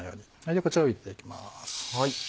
ではこちらを入れていきます。